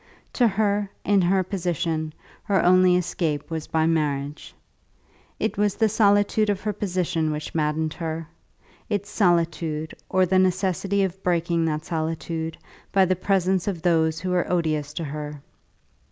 To her, in her position, her only escape was by marriage. It was the solitude of her position which maddened her; its solitude, or the necessity of breaking that solitude by the presence of those who were odious to her.